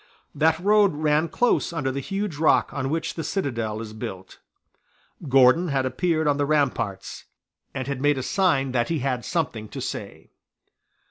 That road ran close under the huge rock on which the citadel is built. Gordon had appeared on the ramparts, and had made a sign that he had something to say.